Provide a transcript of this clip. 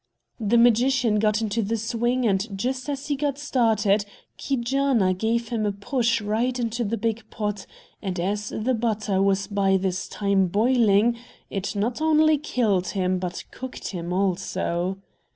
The magician got into the swing, and just as he got started Keejaanaa gave him a push right into the big pot; and as the butter was by this time boiling, it not only killed him, but cooked him also.